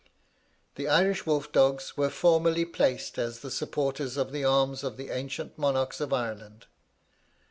The Irish wolf dogs were formerly placed as the supporters of the arms of the ancient Monarchs of Ireland.